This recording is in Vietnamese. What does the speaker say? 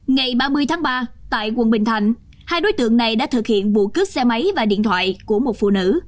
ngày ba mươi tháng ba tại quận bình thạnh hai đối tượng này đã thực hiện vụ cướp xe máy và điện thoại của một phụ nữ